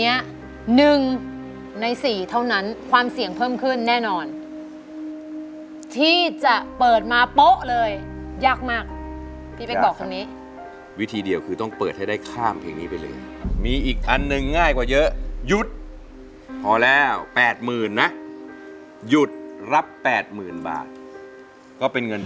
มีความรู้สึกว่ามีความรู้สึกว่ามีความรู้สึกว่ามีความรู้สึกว่ามีความรู้สึกว่ามีความรู้สึกว่ามีความรู้สึกว่ามีความรู้สึกว่ามีความรู้สึกว่ามีความรู้สึกว่ามีความรู้สึกว่ามีความรู้สึกว่ามีความรู้สึกว่ามีความรู้สึกว่ามีความรู้สึกว่ามีความรู้สึกว